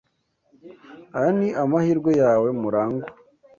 Aya ni amahirwe yawe, Murangwa.